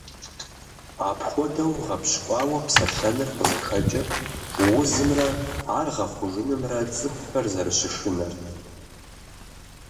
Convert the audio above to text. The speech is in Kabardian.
Апхуэдэу гъэпщкӏуауэ псэлъэныр къызыхэкӏыр узымрэ ар гъэхъужынымрэ цӏыхухэр зэрыщышынэрт.